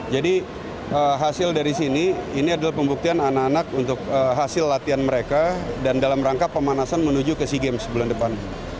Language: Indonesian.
jadi hasil dari sini ini adalah pembuktian anak anak untuk hasil latihan mereka dan dalam rangka pemanasan menuju ke sea games bulan depan